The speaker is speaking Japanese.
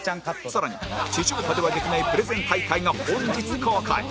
更に地上波ではできないプレゼン大会が本日公開